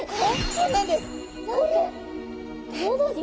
そうなんです。